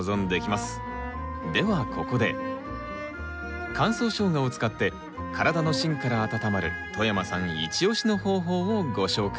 ではここで乾燥ショウガを使って体の芯から温まる外山さんイチオシの方法をご紹介。